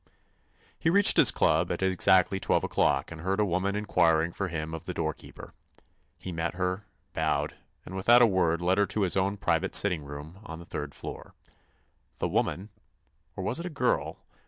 He reached his club at exactly twelve o'clock and heard a woman inquiring for him of the doorkeeper. He met her, bowed, and without a word led her to his own private sitting room, on the third floor. The woman—or was it a girl?